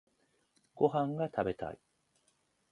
ご飯が食べたい。